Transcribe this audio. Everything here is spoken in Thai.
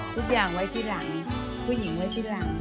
ทุกอย่างไว้ที่หลังผู้หญิงไว้ที่หลัง